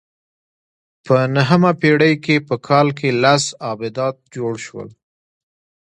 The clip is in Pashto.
په نهمه پېړۍ کې په کال کې لس آبدات جوړ شول